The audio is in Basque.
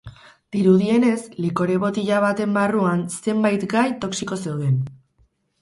Dirudienez, likore botila baten barruan zenbait gai toxiko zeuden.